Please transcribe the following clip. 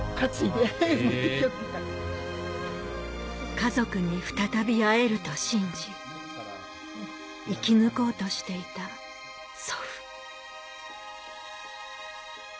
家族に再び会えると信じ生き抜こうとしていた祖父